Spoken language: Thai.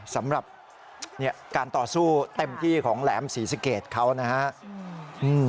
สำหรับการต่อสู้เต็มที่ของแหลมศรีสเกตเขานะครับ